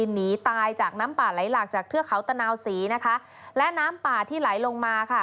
หนีตายจากน้ำป่าไหลหลากจากเทือกเขาตะนาวศรีนะคะและน้ำป่าที่ไหลลงมาค่ะ